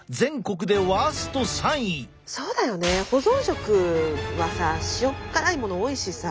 そうだよね保存食はさ塩っ辛いもの多いしさ。